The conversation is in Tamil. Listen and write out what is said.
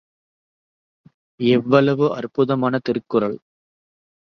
எவ்வளவு அற்புதமான திருக்குறள்!